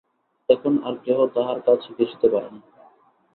এখন আর কেহ তাহার কাছে ঘেঁসিতে পারে না।